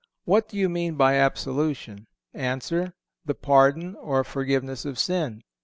_ What do you mean by absolution? Answer. The pardon or forgiveness of sin.